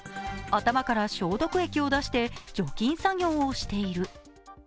頭から消毒液を出して、除菌作業をしている。